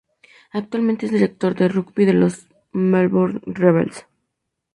Actualmente es director de rugby de los Melbourne Rebels.